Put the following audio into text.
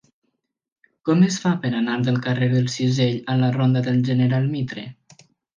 Com es fa per anar del carrer del Cisell a la ronda del General Mitre?